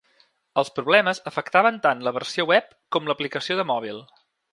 Els problemes afectaven tant la versió web com l’aplicació de mòbil.